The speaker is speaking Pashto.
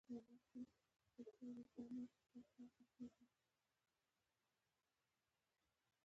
هغوی هیڅ وخت مخامخ جګړې ته حاضرېدل.